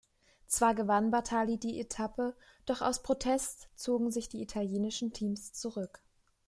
Zwar gewann Bartali die Etappe, doch aus Protest zogen sich die italienischen Teams zurück.